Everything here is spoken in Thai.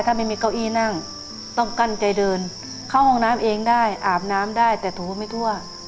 ถ้าไม่มีเก้าอี้นั่งต้องกั้นใจเดินเข้าห้องน้ำเองได้อาบน้ำได้แต่ถูไม่ทั่ว